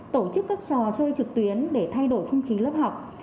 tổ chức các trò chơi trực tuyến để thay đổi không khí lớp học